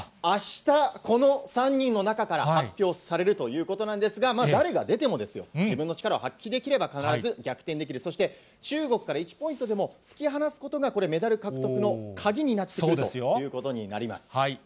あした、この３人の中から発表されるということなんですが、誰が出てもですよ、自分の力を発揮できれば必ず逆転できる、そして中国から１ポイントでも突き放すことがこれ、メダル獲得の鍵になってくるということになります。